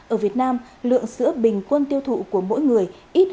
ở việt nam lượng sữa bình quân tiêu thụ của mỗi người